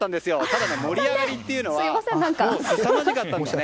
ただね、盛り上がりというのはすさまじかったんですよ。